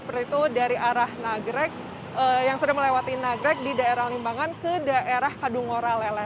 seperti itu dari arah nagrek yang sudah melewati nagrek di daerah limbangan ke daerah kadungora lele